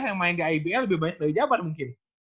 yang main di ibl lebih banyak dari jabar mungkin